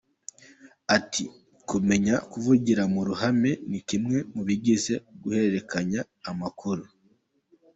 Ati “Kumenya kuvugira mu ruhame ni kimwe mu bigize guhererekanya amakuru.